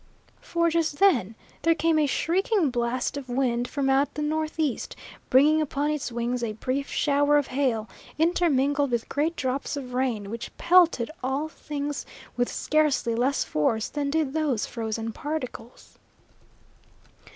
For just then there came a shrieking blast of wind from out the northeast, bringing upon its wings a brief shower of hail, intermingled with great drops of rain which pelted all things with scarcely less force than did those frozen particles.